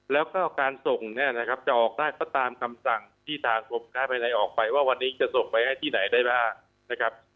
แล้วก็การส่งเนี่ยนะครับจะออกได้ก็ตามคำสั่งที่ทางกรมค้าภายในออกไปว่าวันนี้จะส่งไปให้ที่ไหนได้บ้างนะครับ